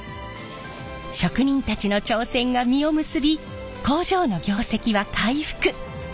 職人たちの挑戦が実を結び工場の業績は回復。